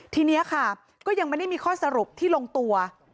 ทีนี้ค่ะก็ยังไม่ได้มีข้อสรุปที่ลงตัว